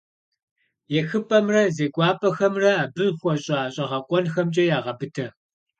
ЕхыпӀэмрэ зекӀуапӀэхэмрэ абы хуэщӀа щӀэгъэкъуэнхэмкӀэ ягъэбыдэ.